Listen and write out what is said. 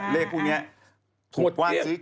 เลขพูด